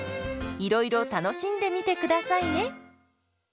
いろいろ楽しんでみてくださいね。